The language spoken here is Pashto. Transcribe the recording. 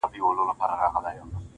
اوس که را هم سي پر څنک رانه تېرېږي,